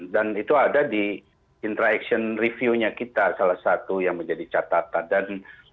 dan itu ada di interaction review nya kita salah satu yang menjadi catatan